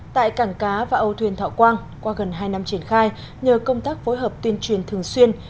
tại cảng cá và âu thuyền thọ quang qua gần hai năm triển khai nhờ công tác phối hợp tuyên truyền thường xuyên